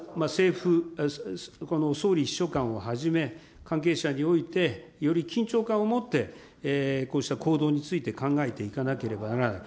こうしたことを考えますときに、今後、総理秘書官をはじめ、関係者において、より緊張感を持ってこうした行動について考えていかなければならない。